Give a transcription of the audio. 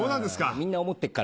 みんな思ってっから。